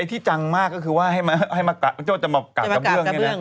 ไอ้ที่จังมากคือว่าให้มากากกับกระเบื้อง